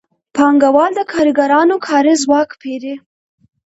پانګوال د کارګرانو کاري ځواک پېري